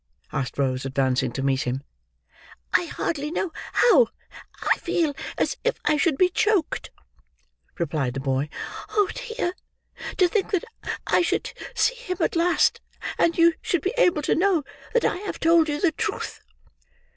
asked Rose, advancing to meet him. "I hardly know how; I feel as if I should be choked," replied the boy. "Oh dear! To think that I should see him at last, and you should be able to know that I have told you the truth!"